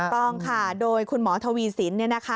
ต้องค่ะโดยคุณหมอทวีสินเนี่ยนะคะ